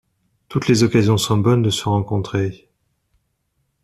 Toutes les occasions sont bonnes de se rencontrer.